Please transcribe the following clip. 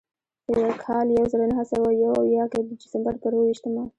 په کال یو زر نهه سوه یو اویا کې د ډسمبر پر اوه ویشتمه.